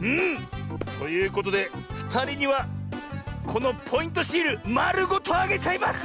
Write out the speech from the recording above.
うん。ということでふたりにはこのポイントシールまるごとあげちゃいます！